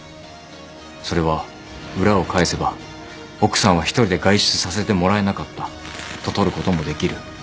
それは裏を返せば奥さんは１人で外出させてもらえなかったととることもできる。